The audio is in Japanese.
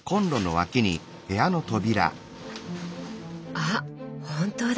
あ本当だ。